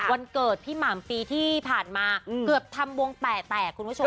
วันเกิดพี่หม่ำปีที่ผ่านมาเกือบทำวงแตกคุณผู้ชม